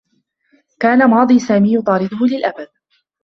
كان ماضي سامي يطارده للأبد.